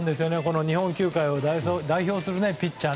日本球界を代表するピッチャー